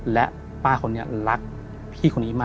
แล้นอ้านของป้าคนนี้รักพี่คนนี้มาก